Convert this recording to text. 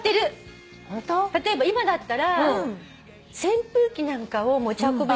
例えば今だったら扇風機なんかを持ち運ぶ。